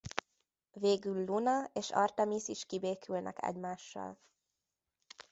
Végül Luna és Artemisz is kibékülnek egymással.